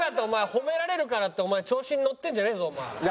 褒められるからってお前調子に乗ってんじゃねえぞお前。